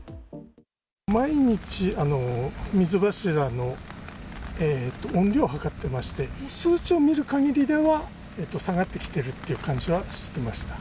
毎日、水柱の音量を測ってまして、数値を見るかぎりでは、下がってきてるって感じはしてました。